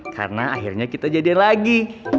karena akhirnya kita jadian lagi